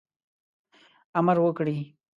امر وکړي.